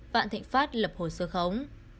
vạn thịnh pháp lập hồi sơ khống